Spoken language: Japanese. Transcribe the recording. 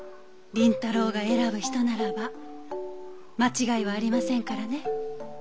麟太郎が選ぶ人ならば間違いはありませんからね。